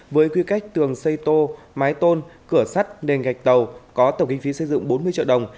với quy cách tường xây tô mái tôn cửa sắt nền gạch tàu có tổng kinh phí xây dựng bốn mươi triệu đồng